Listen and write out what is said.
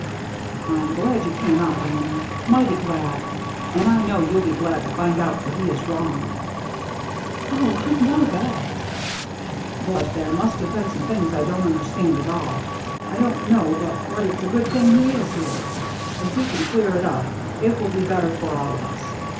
" I'm glad you came out, Annie, mighty glad. And I know you'll be glad to find out that he is wrong." "Oh, I know that —"" But there must have been some things I don't understand at all. I don't know but what it's a good thing he is here. If he can clear it up, it will be better for all of us.